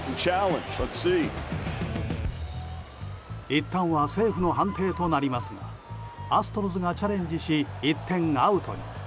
いったんはセーフの判定となりますがアストロズがチャレンジし一転アウトに。